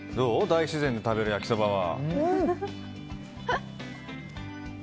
大自然で食べる焼きそばは。